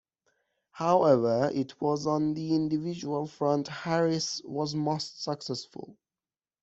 However, it was on the individual front Harris was most successful.